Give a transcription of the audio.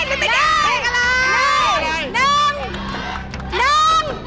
เอ้อเอ้อตาย